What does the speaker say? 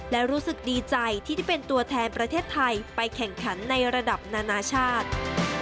และรู้สึกดีใจที่ได้เป็นตัวแทนประเทศไทยไปแข่งขันในระดับนานาชาติ